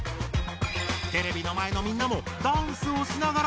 テレビの前のみんなもダンスをしながら考えてね！